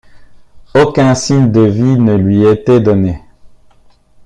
Aucun signe de vie ne lui était donné.